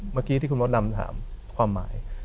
เมื่อกี้ที่คุณมดดำถามความหมาย